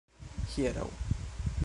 hieraŭ